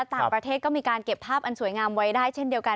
ต่างประเทศก็มีการเก็บภาพอันสวยงามไว้ได้เช่นเดียวกัน